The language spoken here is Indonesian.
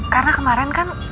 karena kemarin kan